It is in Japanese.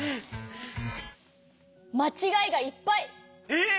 まちがいがいっぱい！え！？